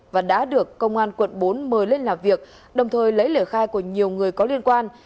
và đã được công an quận bốn mời lên làm việc đồng thời lấy lời khai của nhiều người có liên quan